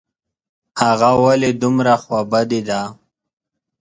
هغه ولي دومره خوابدې ده ؟